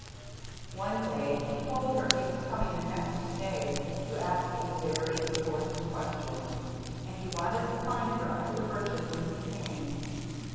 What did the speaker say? One day he told her he was coming the next day to ask A VERY IMPORTANT QUESTION, and he wanted to find her under the birches when he came.